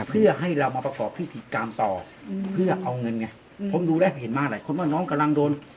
เพื่อให้เรามาประกอบพิธีกรรมต่อเพื่อเอาเงินไงผมดูแล้วเห็นมาหลายคนว่าน้องกำลังโดน